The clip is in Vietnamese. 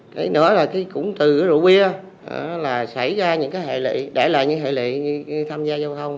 cái nữa là cũng từ rượu bia là xảy ra những hệ lị để lại những hệ lị như tham gia giao thông